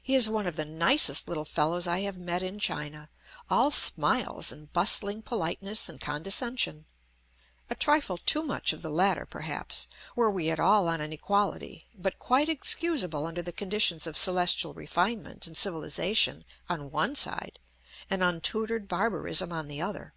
He is one of the nicest little fellows I have met in China, all smiles and bustling politeness and condescension; a trifle too much of the latter, perhaps, were we at all on an equality; but quite excusable under the conditions of Celestial refinement and civilization on one side, and untutored barbarism on the other.